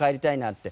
って。